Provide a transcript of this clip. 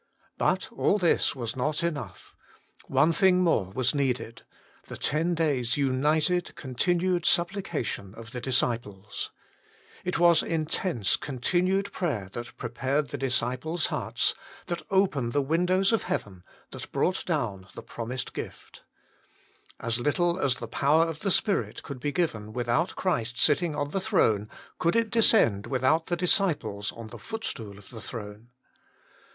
But all this was not enough. One thing more was needed : the ten days united continued supplication of the disciples. It was 22 THE MINISTRY OF INTERCESSION intense, continued prayer that prepared the disciples hearts, that opened the windows of heaven, that brought down the promised gift. As little as the power of the Spirit could be given without Christ sitting on the throne, could it descend without the disciples on the footstool of the throne.